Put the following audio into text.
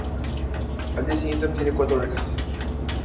Al día siguiente obtiene cuatro orejas.